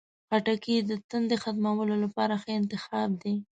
خټکی د تندې ختمولو لپاره ښه انتخاب دی.